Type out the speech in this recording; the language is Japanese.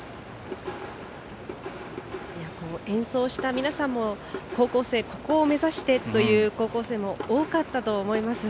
演奏した皆さんもここを目指してという高校生も多かったと思います。